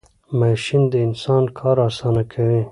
ماشین د انسان کار آسانه کوي .